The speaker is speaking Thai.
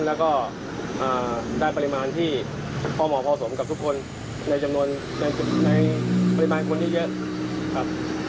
แล้วก็ได้ปริมาณที่พอเหมาะพอสมกับทุกคนในจำนวนในปริมาณคนที่เยอะครับ